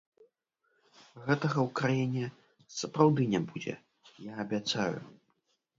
Гэтага ў краіне сапраўды не будзе, я абяцаю.